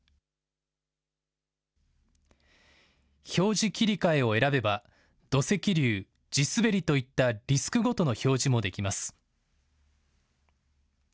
表示切り替えを選べば土石流、地滑りといったリスクごとの表示もできます。